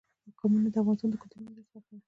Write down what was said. قومونه د افغانستان د کلتوري میراث برخه ده.